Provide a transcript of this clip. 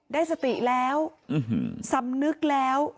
ได้สติแล้วสำนึกแล้ว